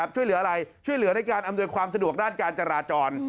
ช่วยเหลืออะไรช่วยเหลือในการอำนวยความสะดวกด้านการจราจร